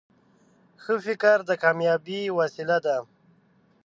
ښه فکر د کامیابۍ وسیله ده.